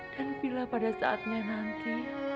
dan mila pada saatnya nanti